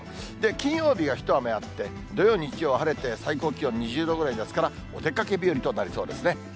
金曜日は一雨あって、土曜、日曜は晴れて最高気温２０度ぐらいですから、お出かけ日和となりそうですね。